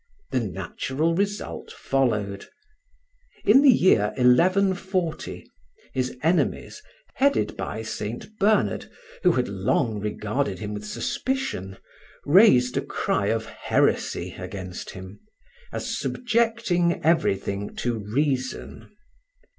The natural result followed. In the year 1140, his enemies, headed by St. Bernard, who had long regarded him with suspicion, raised a cry of heresy against him, as subjecting everything to reason.